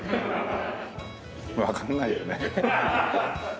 わかんないよね。